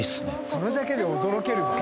それだけで驚ける。